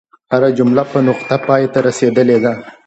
هره جمله په نقطه پای ته رسیدلې ده.